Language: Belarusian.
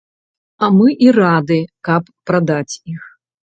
А мы і рады, каб прадаць іх.